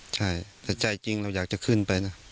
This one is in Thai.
ใช่แต่ใจจริงเราอยากจะขึ้นไปนะ